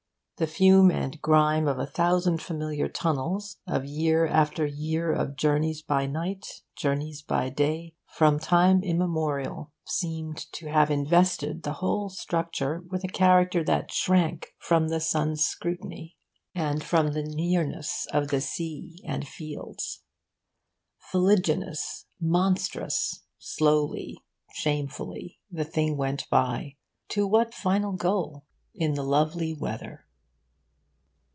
The fume and grime of a thousand familiar tunnels, of year after year of journeys by night, journeys by day, from time immemorial, seemed to have invested the whole structure with a character that shrank from the sun's scrutiny and from the nearness of sea and fields. Fuliginous, monstrous, slowly, shamefully, the thing went by to what final goal? in the lovely weather.